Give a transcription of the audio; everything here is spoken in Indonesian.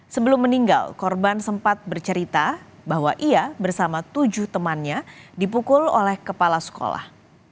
sebelum meninggal korban sempat bercerita bahwa ia bersama tujuh temannya dipukul oleh kepala sekolah